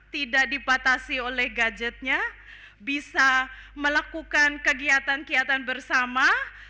tidak dibatasi oleh gadgetnya bisa melakukan kegiatan kegiatan bersama